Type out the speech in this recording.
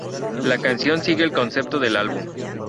La canción sigue el concepto del álbum.